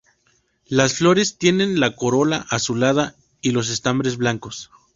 Las flores tienen la corola azulada y los estambres blancos.